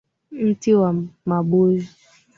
Mti wa mabuyu.